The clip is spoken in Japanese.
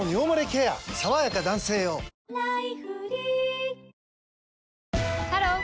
さわやか男性用」ハロー！